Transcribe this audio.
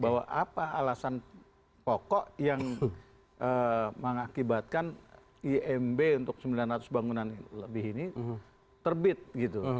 bahwa apa alasan pokok yang mengakibatkan imb untuk sembilan ratus bangunan lebih ini terbit gitu